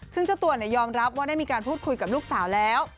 ซึ่งเจ้าตัวยอมรับว่าได้มีการพูดคุยกับลูกสาวแล้ว